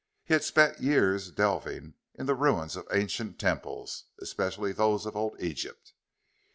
He had spent years delving in the ruins of ancient temples, especially, those of old Egypt.